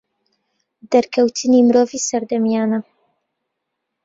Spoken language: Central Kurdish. دەرکەوتنی مرۆڤی سەردەمیانە